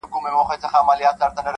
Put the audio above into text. پر اټک مي رپېدلی بیرغ غواړم -